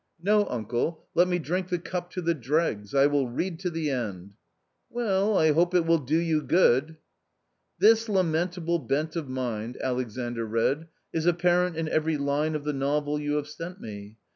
" No, uncle, let me drink the cup to the dregs ; I will read to the end." " Well, I hope it will do you good !" "This lamentable bent of mind," Alexandr read, "is apparent in every line of the novel you have sent me.